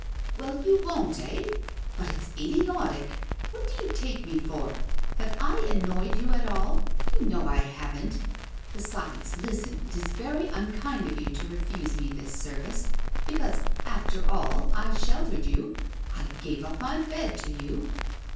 'Well, you won't, eh? But it's idiotic. What do you take me for? Have I annoyed you at all? You know I haven't. Besides, listen, it is very unkind of you to refuse me this service, because, after all, I sheltered you I gave up my bed to you.